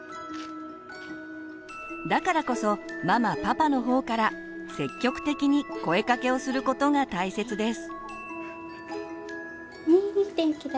だからこそママパパの方から積極的に声かけをすることが大切です。